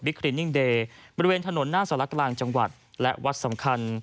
คลินิ่งเดย์บริเวณถนนหน้าสารกลางจังหวัดและวัดสำคัญ